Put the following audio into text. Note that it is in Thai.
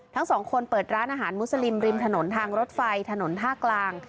ทั้งสองคนเปิดร้านอาหารมุสลิมริมถนนทางรถไฟถนนท่ากลาง